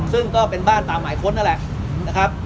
ซึ่งก็เป็นบ้านตามหมายค้นนั่นแหละนะครับ